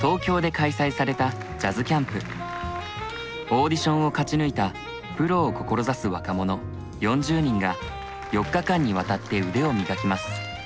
オーディションを勝ち抜いたプロを志す若者４０人が４日間にわたって腕を磨きます。